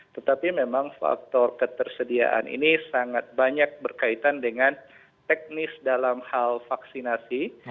tetapi memang faktor ketersediaan ini sangat banyak berkaitan dengan teknis dalam hal vaksinasi